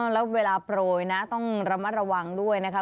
แล้วเวลาโปรยนะต้องระมัดระวังด้วยนะคะ